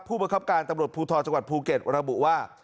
ผู้บังคับการตำรวจภูทรจังหวัดภูเก็ตระบุว่า